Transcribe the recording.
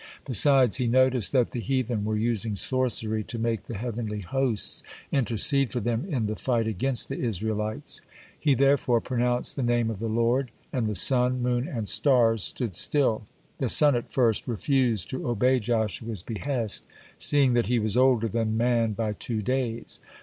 Besides, he noticed that the heathen were using sorcery to make the heavenly hosts intercede for them in the fight against the Israelites. He, therefore, pronounced the Name of the Lord, and the sun, moon and stars stood still. (40) The sun at first refused to obey Joshua's behest, seeing that he was older than man by two days.